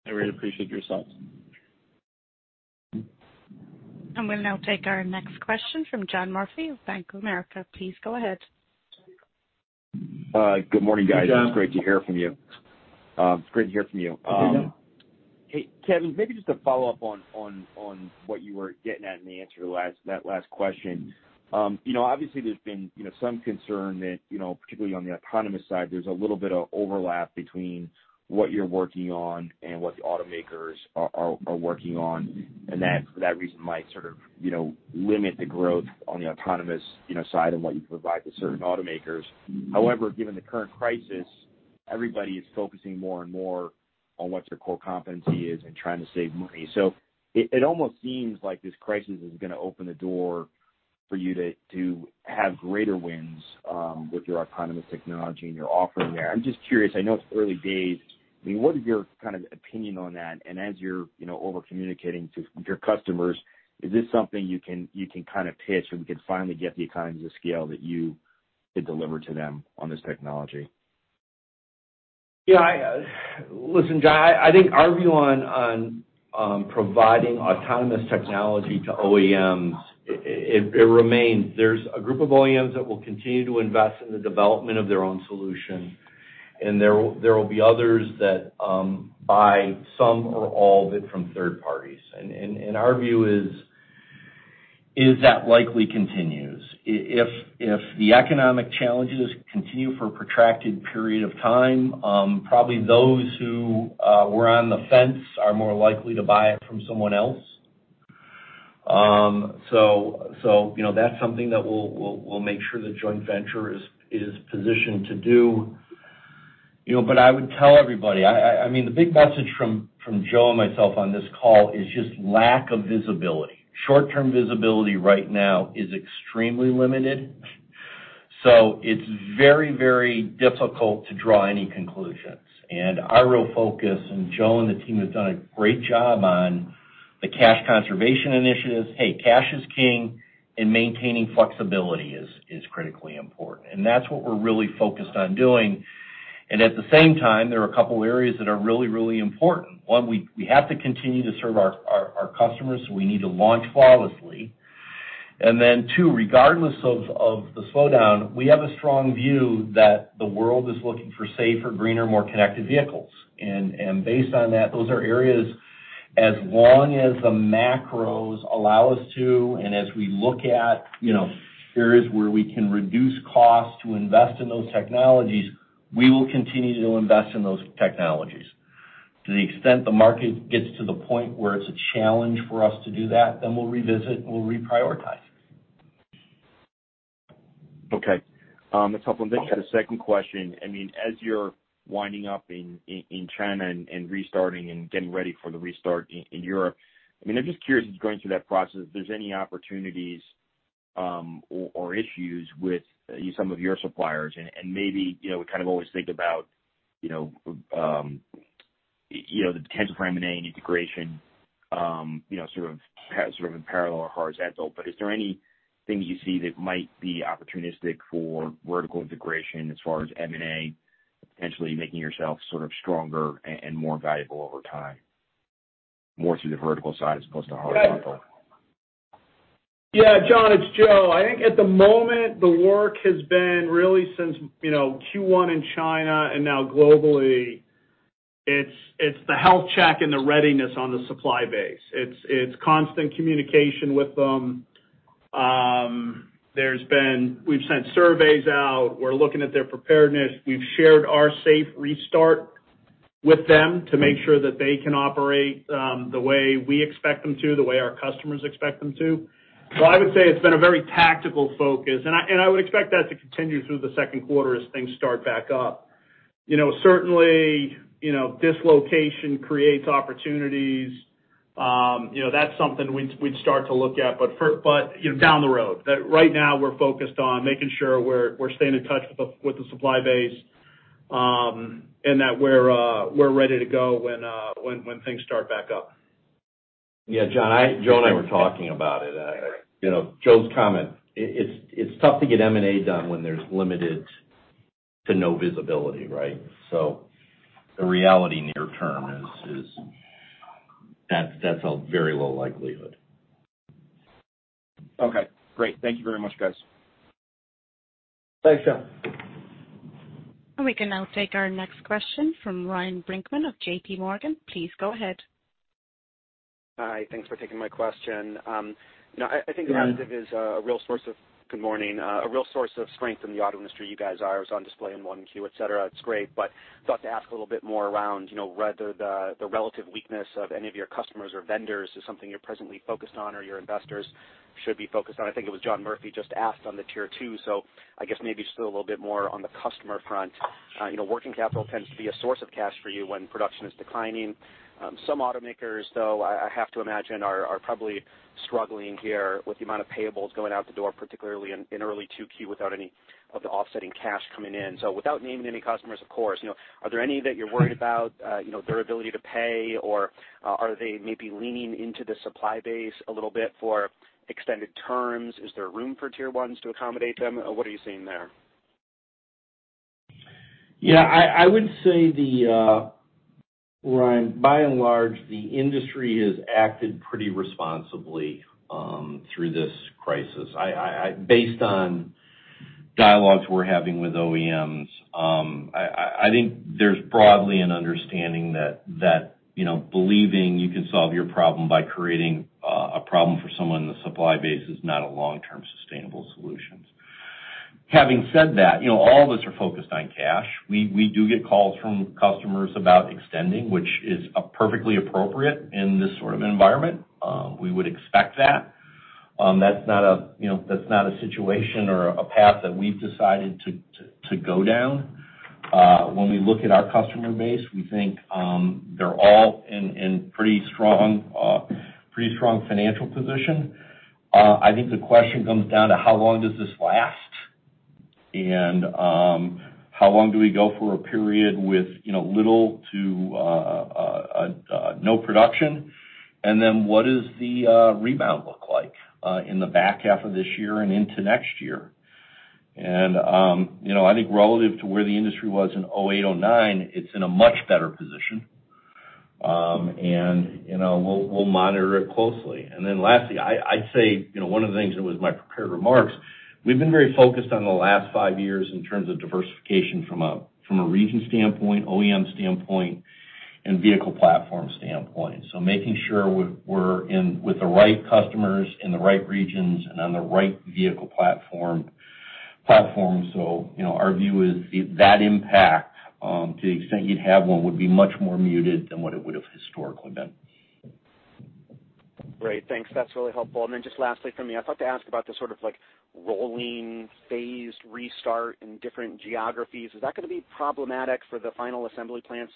I really appreciate your thoughts. And we'll now take our next question from John Murphy of Bank of America. Please go ahead. Good morning, guys. It's great to hear from you. It's great to hear from you. Kevin, maybe just a follow-up on what you were getting at in the answer to that last question. Obviously, there's been some concern that, particularly on the autonomous side, there's a little bit of overlap between what you're working on and what the automakers are working on. And that, for that reason, might sort of limit the growth on the autonomous side and what you provide to certain automakers. However, given the current crisis, everybody is focusing more and more on what their core competency is and trying to save money. So it almost seems like this crisis is going to open the door for you to have greater wins with your autonomous technology and your offering there. I'm just curious. I mean, what is your kind of opinion on that? As you're over-communicating to your customers, is this something you can kind of pitch so we can finally get the economies of scale that you could deliver to them on this technology? Yeah. Listen, John, I think our view on providing autonomous technology to OEMs, it remains there's a group of OEMs that will continue to invest in the development of their own solution. And there will be others that buy some or all of it from third parties. And our view is that likely continues. If the economic challenges continue for a protracted period of time, probably those who were on the fence are more likely to buy it from someone else. So that's something that we'll make sure the joint venture is positioned to do. But I would tell everybody, I mean, the big message from Joe and myself on this call is just lack of visibility. Short-term visibility right now is extremely limited, so it's very, very difficult to draw any conclusions, and our real focus, and Joe and the team have done a great job on the cash conservation initiatives. Hey, cash is king, and maintaining flexibility is critically important, and that's what we're really focused on doing. And at the same time, there are a couple of areas that are really, really important. One, we have to continue to serve our customers, so we need to launch flawlessly. And then two, regardless of the slowdown, we have a strong view that the world is looking for safer, greener, more connected vehicles. And based on that, those are areas as long as the macros allow us to, and as we look at areas where we can reduce costs to invest in those technologies, we will continue to invest in those technologies. To the extent the market gets to the point where it's a challenge for us to do that, then we'll revisit and we'll reprioritize. Okay. That's helpful. And then you had a second question. I mean, as you're winding up in China and restarting and getting ready for the restart in Europe, I mean, I'm just curious as you're going through that process, if there's any opportunities or issues with some of your suppliers. And maybe we kind of always think about the potential for M&A and integration sort of in parallel or horizontal. But is there anything that you see that might be opportunistic for vertical integration as far as M&A, potentially making yourself sort of stronger and more valuable over time, more through the vertical side as opposed to horizontal? Yeah. John, it's Joe. I think at the moment, the work has been really since Q1 in China and now globally, it's the health check and the readiness on the supply base. It's constant communication with them. We've sent surveys out. We're looking at their preparedness. We've shared our safe restart with them to make sure that they can operate the way we expect them to, the way our customers expect them to. So I would say it's been a very tactical focus. And I would expect that to continue through the second quarter as things start back up. Certainly, dislocation creates opportunities. That's something we'd start to look at, but down the road. Right now, we're focused on making sure we're staying in touch with the supply base and that we're ready to go when things start back up. Yeah. John, Joe and I were talking about it. Joe's comment, it's tough to get M&A done when there's limited to no visibility, right? So the reality near term is that's a very low likelihood. Okay. Great. Thank you very much, guys. Thanks, John. And we can now take our next question from Ryan Brinkman of JPMorgan. Please go ahead. Hi. Thanks for taking my question. Good morning. I think Aptiv is a real source of strength in the auto industry, you guys are. It's on display in 1Q, etc. It's great. But thought to ask a little bit more around whether the relative weakness of any of your customers or vendors is something you're presently focused on or your investors should be focused on. I think it was John Murphy just asked on the tier two. So I guess maybe still a little bit more on the customer front. Working capital tends to be a source of cash for you when production is declining. Some automakers, though, I have to imagine, are probably struggling here with the amount of payables going out the door, particularly in early 2Q without any of the offsetting cash coming in. So without naming any customers, of course, are there any that you're worried about their ability to pay, or are they maybe leaning into the supply base a little bit for extended terms? Is there room for tier ones to accommodate them? What are you seeing there? Yeah. I would say, Ryan, by and large, the industry has acted pretty responsibly through this crisis. Based on dialogues we're having with OEMs, I think there's broadly an understanding that believing you can solve your problem by creating a problem for someone in the supply base is not a long-term sustainable solution. Having said that, all of us are focused on cash. We do get calls from customers about extending, which is perfectly appropriate in this sort of environment. We would expect that. That's not a situation or a path that we've decided to go down. When we look at our customer base, we think they're all in pretty strong financial position. I think the question comes down to how long does this last, and how long do we go for a period with little to no production? And then what does the rebound look like in the back half of this year and into next year? And I think relative to where the industry was in 2008, 2009, it's in a much better position. And we'll monitor it closely. And then lastly, I'd say one of the things that was my prepared remarks. We've been very focused on the last five years in terms of diversification from a region standpoint, OEM standpoint, and vehicle platform standpoint. So making sure we're with the right customers in the right regions and on the right vehicle platform. So our view is that impact, to the extent you'd have one, would be much more muted than what it would have historically been. Great. Thanks. That's really helpful. And then just lastly from me, I thought to ask about this sort of rolling phased restart in different geographies. Is that going to be problematic for the final assembly plants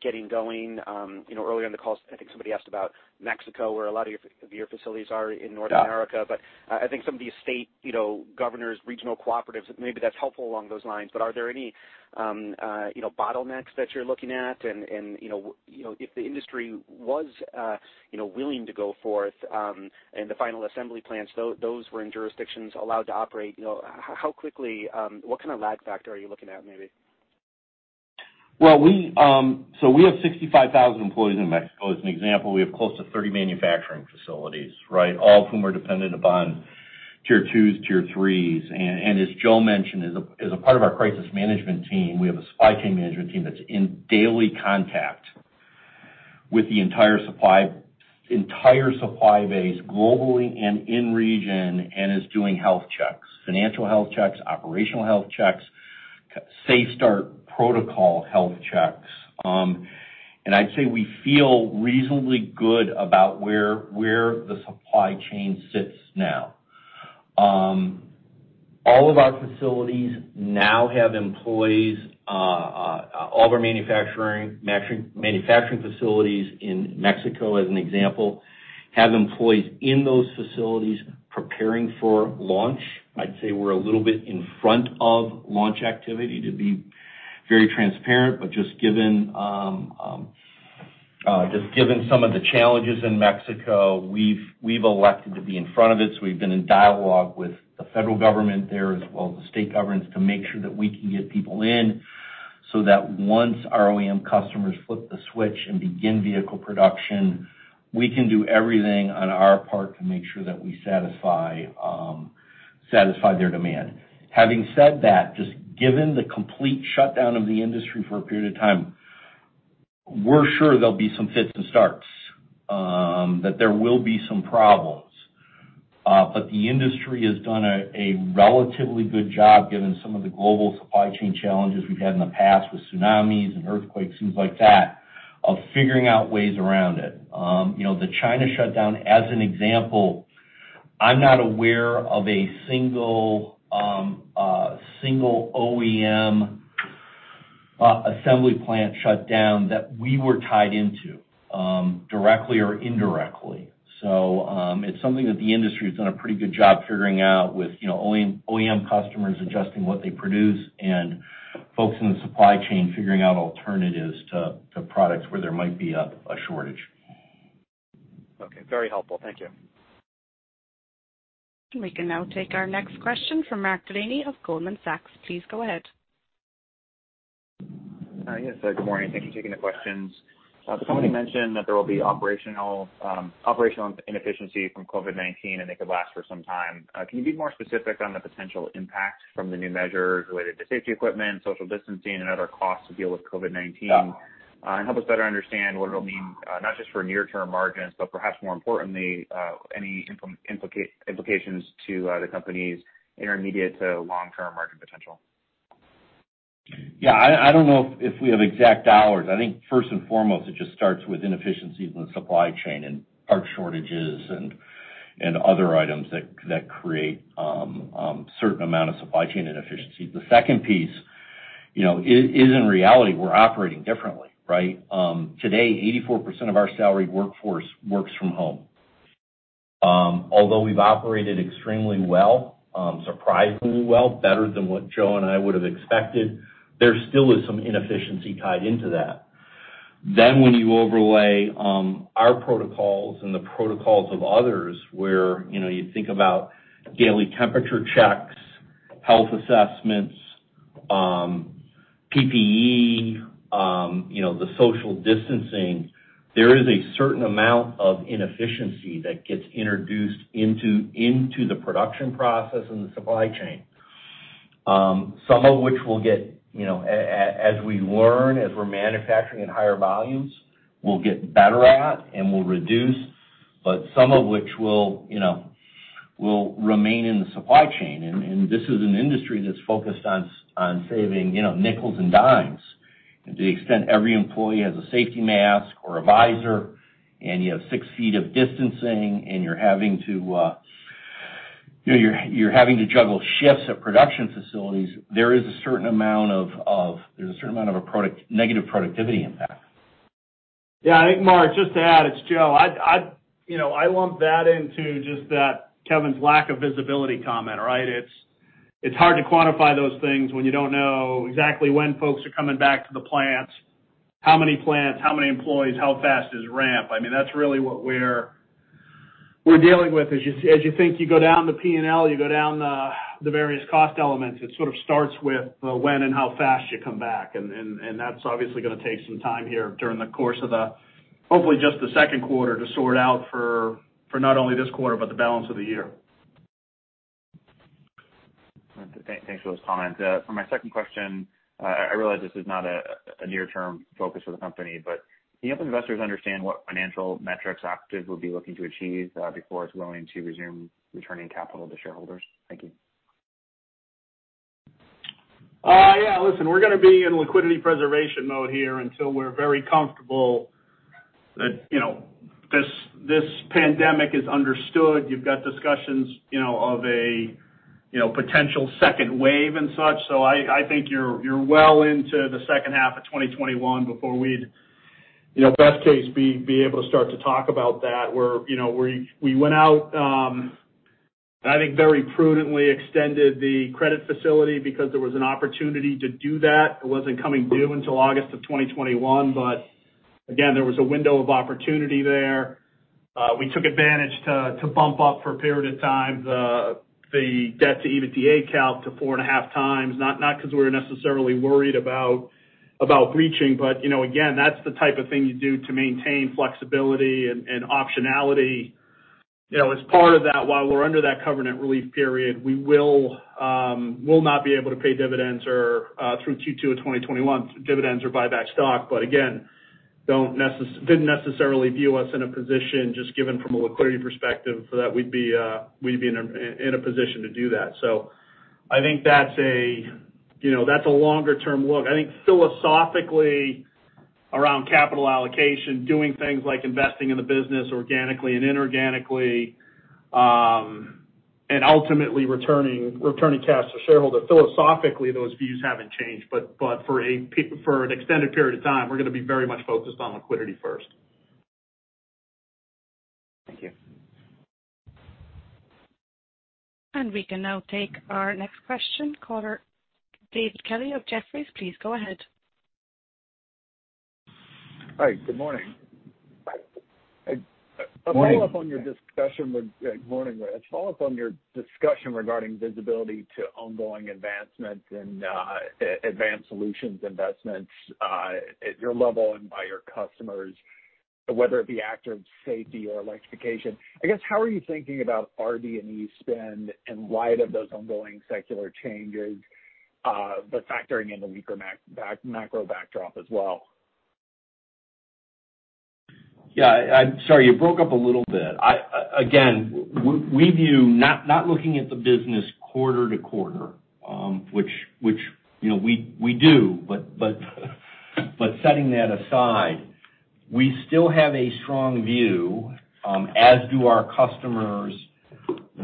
getting going? Earlier in the call, I think somebody asked about Mexico, where a lot of your facilities are in North America. But I think some of the state governors, regional cooperatives, maybe that's helpful along those lines. But are there any bottlenecks that you're looking at? And if the industry was willing to go forth and the final assembly plants, those were in jurisdictions allowed to operate, how quickly what kind of lag factor are you looking at, maybe? Well, so we have 65,000 employees in Mexico. As an example, we have close to 30 manufacturing facilities, right, all of whom are dependent upon tier twos, tier threes. And as Joe mentioned, as a part of our crisis management team, we have a supply chain management team that's in daily contact with the entire supply base globally and in region and is doing health checks, financial health checks, operational health checks, safe start protocol health checks. And I'd say we feel reasonably good about where the supply chain sits now. All of our facilities now have employees. All of our manufacturing facilities in Mexico, as an example, have employees in those facilities preparing for launch. I'd say we're a little bit in front of launch activity, to be very transparent. But just given some of the challenges in Mexico, we've elected to be in front of it. So we've been in dialogue with the federal government there as well as the state governments to make sure that we can get people in so that once our OEM customers flip the switch and begin vehicle production, we can do everything on our part to make sure that we satisfy their demand. Having said that, just given the complete shutdown of the industry for a period of time, we're sure there'll be some fits and starts, that there will be some problems. But the industry has done a relatively good job given some of the global supply chain challenges we've had in the past with tsunamis and earthquakes, things like that, of figuring out ways around it. The China shutdown, as an example, I'm not aware of a single OEM assembly plant shutdown that we were tied into directly or indirectly. So it's something that the industry has done a pretty good job figuring out with OEM customers adjusting what they produce and folks in the supply chain figuring out alternatives to products where there might be a shortage. Okay. Very helpful. Thank you. We can now take our next question from Mark Delaney of Goldman Sachs. Please go ahead. Hi. Yes, good morning. Thank you for taking the questions. The company mentioned that there will be operational inefficiency from COVID-19, and it could last for some time. Can you be more specific on the potential impact from the new measures related to safety equipment, social distancing, and other costs to deal with COVID-19 and help us better understand what it'll mean, not just for near-term margins, but perhaps more importantly, any implications to the company's intermediate to long-term margin potential? Yeah. I don't know if we have exact hours. I think first and foremost, it just starts with inefficiencies in the supply chain and part shortages and other items that create a certain amount of supply chain inefficiencies. The second piece is, in reality, we're operating differently, right? Today, 84% of our salaried workforce works from home. Although we've operated extremely well, surprisingly well, better than what Joe and I would have expected, there still is some inefficiency tied into that. Then when you overlay our protocols and the protocols of others where you think about daily temperature checks, health assessments, PPE, the social distancing, there is a certain amount of inefficiency that gets introduced into the production process and the supply chain, some of which we'll get, as we learn, as we're manufacturing at higher volumes, we'll get better at and we'll reduce, but some of which will remain in the supply chain. And this is an industry that's focused on saving nickels and dimes. To the extent every employee has a safety mask or a visor and you have six feet of distancing and you're having to juggle shifts at production facilities, there is a certain amount of negative productivity impact. Yeah. I think, Mark, just to add, it's Joe. I want that into just that Kevin's lack of visibility comment, right? It's hard to quantify those things when you don't know exactly when folks are coming back to the plants, how many plants, how many employees, how fast is ramp. I mean, that's really what we're dealing with. As you think you go down the P&L, you go down the various cost elements, it sort of starts with when and how fast you come back. And that's obviously going to take some time here during the course of the, hopefully, just the second quarter to sort out for not only this quarter, but the balance of the year. Thanks for those comments. For my second question, I realize this is not a near-term focus for the company, but can you help investors understand what financial metrics Aptiv will be looking to achieve before it's willing to resume returning capital to shareholders? Thank you. Yeah. Listen, we're going to be in liquidity preservation mode here until we're very comfortable that this pandemic is understood. You've got discussions of a potential second wave and such. So I think you're well into the second half of 2021 before we'd, best case, be able to start to talk about that. We went out, I think, very prudently extended the credit facility because there was an opportunity to do that. It wasn't coming due until August of 2021. But again, there was a window of opportunity there. We took advantage to bump up for a period of time the debt to EBITDA count to four and a half times, not because we were necessarily worried about breaching, but again, that's the type of thing you do to maintain flexibility and optionality. As part of that, while we're under that covenant relief period, we will not be able to pay dividends or, through Q2 of 2021, dividends or buyback stock, but again, didn't necessarily view us in a position, just given from a liquidity perspective, that we'd be in a position to do that, so I think that's a longer-term look. I think philosophically, around capital allocation, doing things like investing in the business organically and inorganically and ultimately returning cash to shareholders, philosophically, those views haven't changed, but for an extended period of time, we're going to be very much focused on liquidity first. Thank you. And we can now take our next question from David Kelley of Jefferies. Please go ahead. Hi. Good morning. Let's follow up on your discussion regarding visibility to ongoing advancements and advanced solutions investments at your level and by your customers, whether it be Active Safety or electrification. I guess, how are you thinking about RD&E spend in light of those ongoing secular changes, but factoring in the weaker macro backdrop as well? Yeah. I'm sorry. You broke up a little bit. Again, we view not looking at the business quarter to quarter, which we do, but setting that aside, we still have a strong view, as do our customers,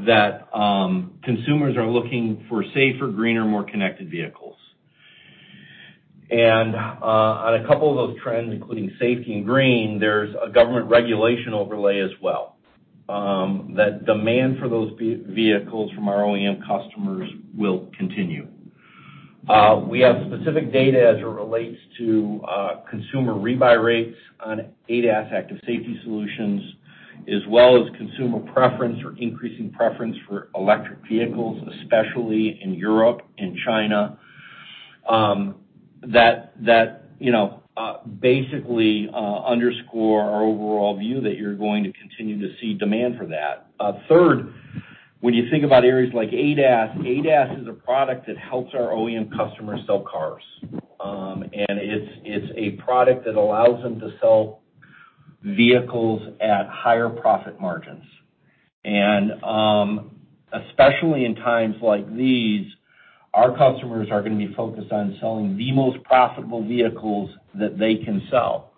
that consumers are looking for safer, greener, more connected vehicles. And on a couple of those trends, including safety and green, there's a government regulation overlay as well that demand for those vehicles from our OEM customers will continue. We have specific data as it relates to consumer rebuy rates on ADAS, Active Safety solutions, as well as consumer preference or increasing preference for electric vehicles, especially in Europe and China, that basically underscore our overall view that you're going to continue to see demand for that. Third, when you think about areas like ADAS, ADAS is a product that helps our OEM customers sell cars, and it's a product that allows them to sell vehicles at higher profit margins, and especially in times like these, our customers are going to be focused on selling the most profitable vehicles that they can sell,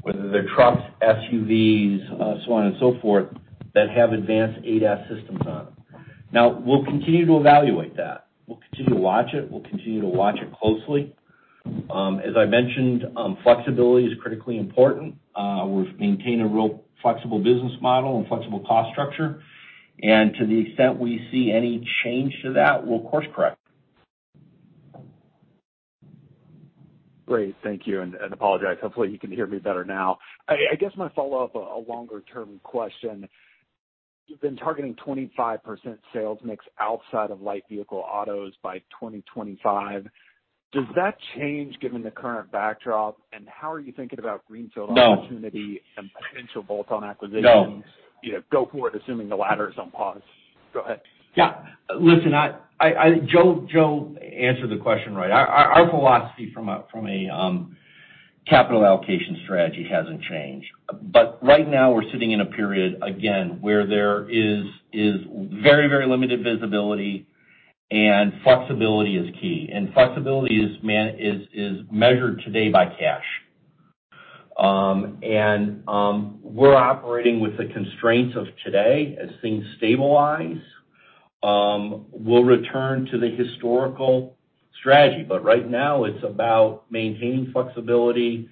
whether they're trucks, SUVs, so on and so forth, that have advanced ADAS systems on them. Now, we'll continue to evaluate that. We'll continue to watch it. We'll continue to watch it closely. As I mentioned, flexibility is critically important. We've maintained a real flexible business model and flexible cost structure. And to the extent we see any change to that, we'll course-correct. Great. Thank you. And apologize. Hopefully, you can hear me better now. I guess my follow-up, a longer-term question. You've been targeting 25% sales mix outside of light vehicle autos by 2025. Does that change given the current backdrop? And how are you thinking about greenfield opportunity and potential bolt-on acquisitions? Go for it, assuming the latter is on pause. Go ahead. Yeah. Listen, Joe answered the question right. Our philosophy from a capital allocation strategy hasn't changed. But right now, we're sitting in a period, again, where there is very, very limited visibility, and flexibility is key. Flexibility is measured today by cash. We're operating with the constraints of today as things stabilize. We'll return to the historical strategy. Right now, it's about maintaining flexibility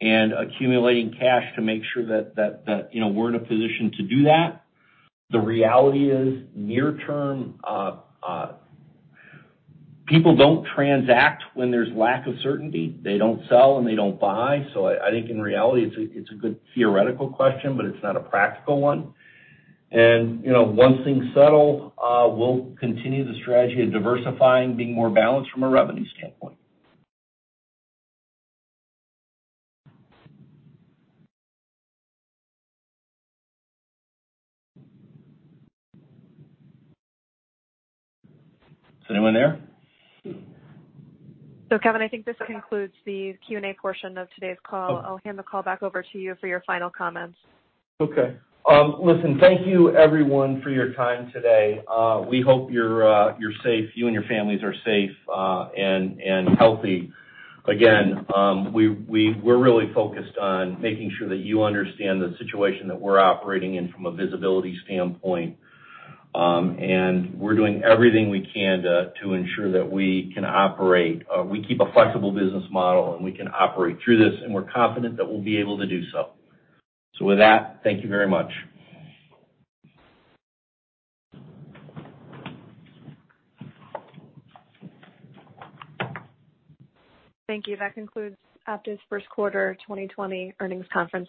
and accumulating cash to make sure that we're in a position to do that. The reality is, near-term, people don't transact when there's lack of certainty. They don't sell and they don't buy. I think, in reality, it's a good theoretical question, but it's not a practical one. Once things settle, we'll continue the strategy of diversifying, being more balanced from a revenues. Is anyone there? Kevin, I think this concludes the Q&A portion of today's call. I'll hand the call back over to you for your final comments. Okay. Listen, thank you, everyone, for your time today. We hope you're safe, you and your families are safe and healthy. Again, we're really focused on making sure that you understand the situation that we're operating in from a visibility standpoint. And we're doing everything we can to ensure that we can operate. We keep a flexible business model, and we can operate through this. And we're confident that we'll be able to do so. So with that, thank you very much. Thank you. That concludes Aptiv's first quarter 2020 earnings conference.